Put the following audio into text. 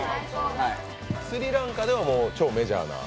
スリランカでは超メジャーな？